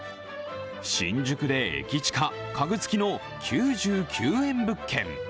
新宿で駅チカ、家具付きの９９円物件。